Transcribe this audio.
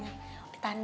tapi tahan banting